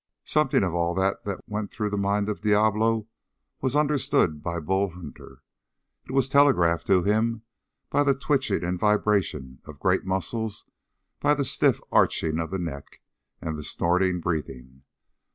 Something of all that went through the mind of Diablo was understood by Bull Hunter. It was telegraphed to him by the twitching and vibration of great muscles, by the stiff arching of the neck, and the snorting breathing.